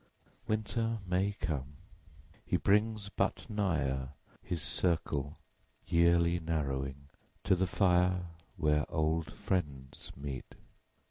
Winter may come: he brings but nigher His circle (yearly narrowing) to the fire Where old friends meet.